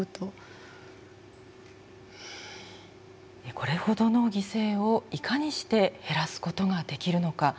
これほどの犠牲をいかにして減らすことができるのか。